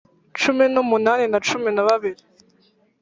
cumi numunani na cumi na babiri